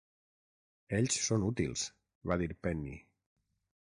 "Ells són útils" va dir Penny.